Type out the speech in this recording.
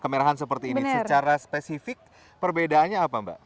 kemerahan seperti ini secara spesifik perbedaannya apa mbak